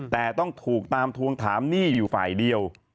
แต่ต้องถูกตามทวงถามหนี้อยู่ฝ่ายเดียว